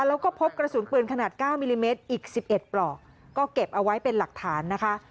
แล้วก็พบกระสุนปืนขนาด๙มิลลิเมตรอีก๑๑ปลอกก็เก็บเอาไว้เป็นหลักฐานนะคะ